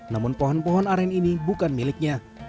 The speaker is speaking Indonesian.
namun pohon pohon aren ini bukan miliknya